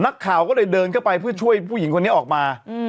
นักข่าวก็เลยเดินเข้าไปเพื่อช่วยผู้หญิงคนนี้ออกมา